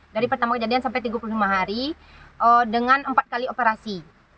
dari pertama kejadian sampai tiga puluh lima hari dengan empat kali operasi